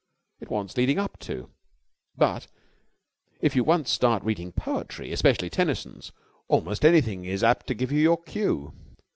It wants leading up to. But, if you once start reading poetry, especially Tennyson's, almost anything is apt to give you your cue.